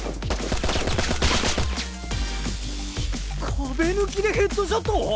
「」「」「」壁抜きでヘッドショット！